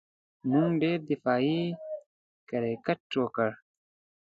موږ ډېر دفاعي کرېکټ وکړ.